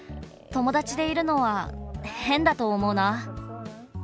友だちでいるのは変だと思うな。